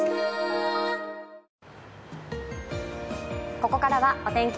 ここからはお天気